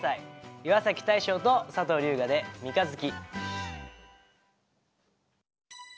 岩大昇と佐藤龍我で「三日月」。